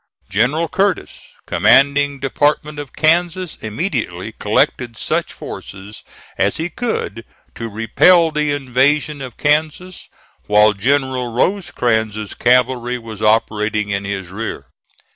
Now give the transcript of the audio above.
General Curtis, commanding Department of Kansas, immediately collected such forces as he could to repel the invasion of Kansas, while General Rosecrans's cavalry was operating in his rear.